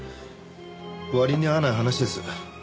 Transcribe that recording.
割に合わない話です。